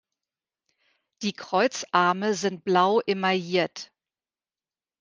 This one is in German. Die Kreuzarme sind blau emailliert.